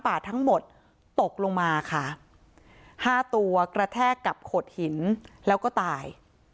ป่าทั้งหมดตกลงมาค่ะห้าตัวกระแทกกับโขดหินแล้วก็ตาย